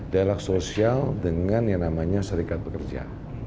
dialog sosial dengan yang namanya serikat pekerja